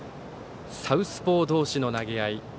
サウスポー同士の投げ合い。